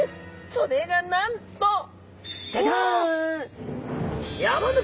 それがなんとジャジャン！